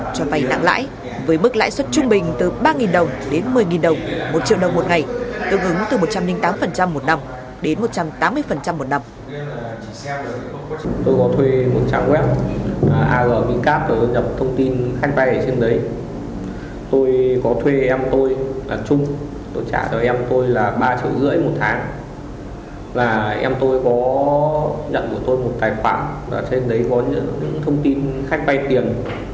cho vai nặng lãi với mức lãi suất trung bình từ ba đồng đến một mươi đồng một triệu đồng một ngày tương ứng từ một trăm linh tám một năm đến một trăm tám mươi một năm